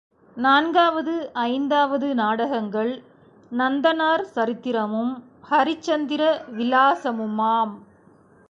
நான்காவது ஐந்தாவது நாடகங்கள் நந்தனார் சரித்திரமும் ஹரிச்சந்திர விலாசமுமாம்.